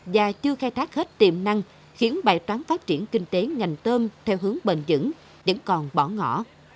và chưa khai thác hết tiềm năng khiến bài toán phát triển kinh tế ngành tôm theo hướng bền dẫn vẫn còn bỏ ngỏ